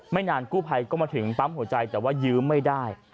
นานกู้ภัยก็มาถึงปั๊มหัวใจแต่ว่ายืมไม่ได้